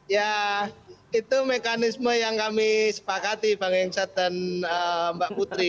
ya itu mekanisme yang kami sepakati bang hensat dan mbak putri